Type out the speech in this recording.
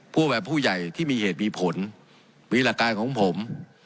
พูดแบบผู้ใหญ่ที่มีเหตุมีผลมีฤรภายในของผม